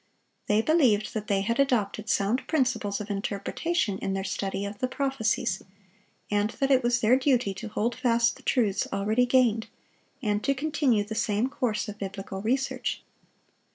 They believed that they had adopted sound principles of interpretation in their study of the prophecies, and that it was their duty to hold fast the truths already gained, and to continue the same course of biblical research.